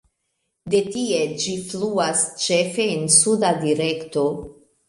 De tie ĝi fluas ĉefe en suda direkto.